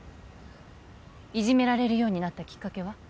いじめられるようになったきっかけは？